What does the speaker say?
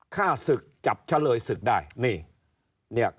ฆ่าศึกจับเฉลยศึกได้นี่